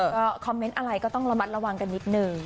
ก็คอมเมนต์อะไรก็ต้องระมัดระวังกันนิดนึง